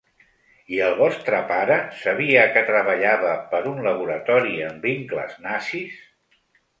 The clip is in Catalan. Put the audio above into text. I el vostre pare sabia que treballava per un laboratori amb vincles nazis?